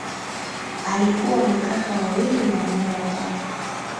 Alikuwa na kaka wawili na dada watatu.